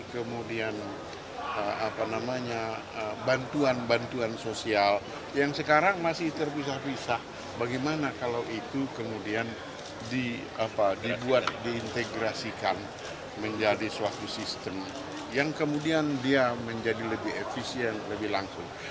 kemudian bantuan bantuan sosial yang sekarang masih terpisah pisah bagaimana kalau itu kemudian dibuat diintegrasikan menjadi suatu sistem yang kemudian dia menjadi lebih efisien lebih langsung